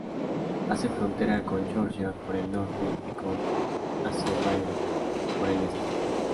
Hace frontera con Georgia por el norte y con Azerbaiyán por el este.